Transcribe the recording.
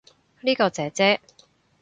呢個姐姐